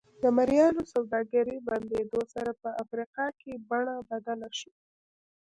د مریانو سوداګرۍ بندېدو سره په افریقا کې بڼه بدله شوه.